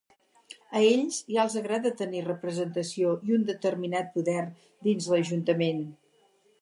A ells ja els agrada tenir representació i un determinat poder dins l’ajuntament.